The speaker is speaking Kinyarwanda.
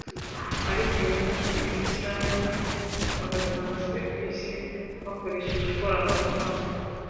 ariko uyu munsi biha isaha imwe bagatanga serivisi bakoresheje ikoranabuhanga